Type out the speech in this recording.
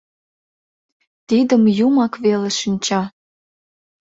Тидым Юмак веле шинча...